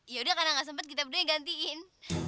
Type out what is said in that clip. ya udah karena gak sempet kita berduanya gantiin